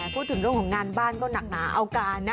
พูดถึงเรื่องของงานบ้านก็หนักหนาเอาการนะ